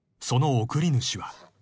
その送り主は］